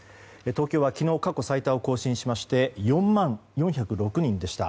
東京は昨日過去最多を更新しまして４万４０６人でした。